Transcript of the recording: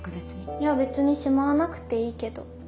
いや別にしまわなくていいけど。